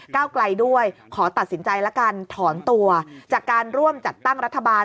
เก้าไกลด้วยขอตัดสินใจละกันถอนตัวจากการร่วมจัดตั้งรัฐบาล